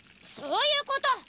そういうこと！